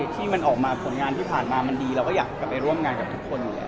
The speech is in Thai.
ที่มันออกมาผลงานที่ผ่านมามันดีเราก็อยากจะไปร่วมงานกับทุกคนอยู่แล้ว